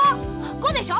「ご」でしょ